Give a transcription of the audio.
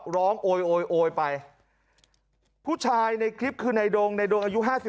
ร้องโอ๊ยโอ๊ยไปผู้ชายในคลิปคือไนโดงไนโดงอายุ๕๕